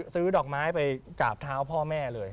ซื้อดอกไม้ไปกราบเท้าพ่อแม่เลย